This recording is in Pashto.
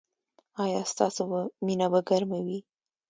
ایا ستاسو مینه به ګرمه وي؟